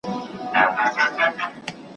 د سبا سبا په هیله ځواني شپو راڅخه یو وړه ,